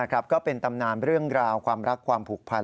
ก็เป็นตำนานเรื่องราวความรักความผูกพัน